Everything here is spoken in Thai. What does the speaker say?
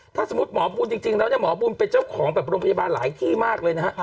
ถ้าสมมติหมอบุญจริงแล้วหมอบุญเป็นเจ้าของโรงพยาบาลหลายที่มากเลย